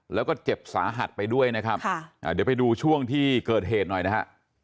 แล้วก็เจ็บสาหัสไปด้วยนะครับเดี๋ยวไปดูช่วงที่เกิดเหตุหน่อยนะฮะ